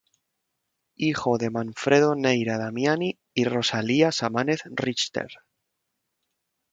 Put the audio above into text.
Hijo de Manfredo Neira Damiani y Rosalía Samanez Richter.